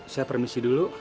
saya permisi dulu